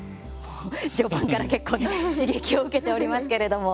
序盤から結構ね刺激を受けておりますけれども。